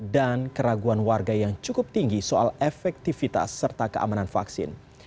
dan keraguan warga yang cukup tinggi soal efektivitas serta keamanan vaksin